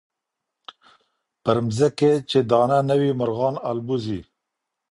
پر مځکي چي دانه نه وي مرغان البوځي.